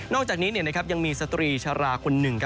อกจากนี้ยังมีสตรีชาราคนหนึ่ง